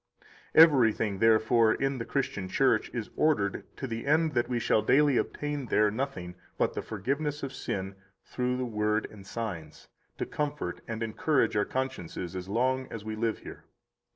55 Everything, therefore, in the Christian Church is ordered to the end that we shall daily obtain there nothing but the forgiveness of sin through the Word and signs, to comfort and encourage our consciences as long as we live here.